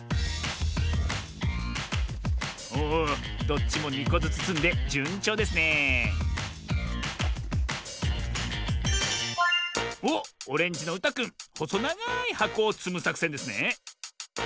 おおどっちも２こずつつんでじゅんちょうですねえおっオレンジのうたくんほそながいはこをつむさくせんですね。